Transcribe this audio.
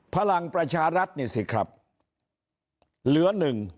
พลังประชารัฐนะสิครับเหลือ๑